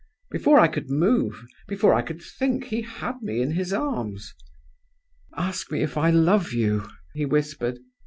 Before I could move, before I could think, he had me in his arms. 'Ask me if I love you,' he whispered.